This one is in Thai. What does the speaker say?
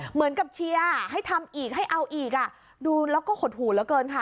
เหมือนกับเชียร์ให้ทำอีกให้เอาอีกอ่ะดูแล้วก็หดหูเหลือเกินค่ะ